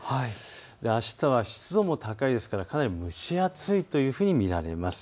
あしたは湿度も高いですからかなり蒸し暑いというふうに見られます。